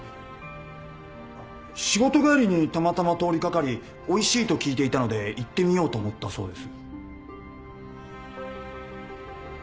仕事帰りにたまたま通り掛かりおいしいと聞いていたので行ってみようと思ったそうです。